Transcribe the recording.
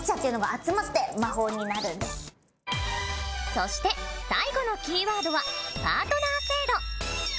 そして最後のキーワードはパートナー制度。